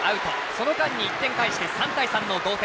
その間に１点返して３対３の同点。